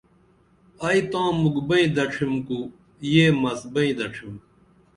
ائی تاں مُکھ بئیں دڇِھم کو یہ مس بئیں دڇِھم